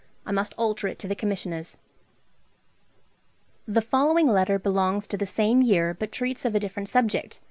I must alter it to the Commissioner's.' The following letter belongs to the same year, but treats of a different subject.